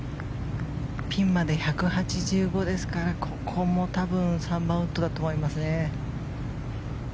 ピンまで１８５ですからここも多分３番ウッドだと思いますね。